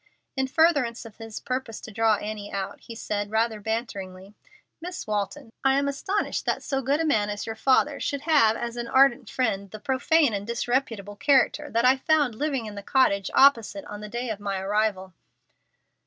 In furtherance of his purpose to draw Annie out he said, rather banteringly, "Miss Walton, I am astonished that so good a man as your father should have as an ardent friend the profane and disreputable character that I found living in the cottage opposite on the day of my arrival."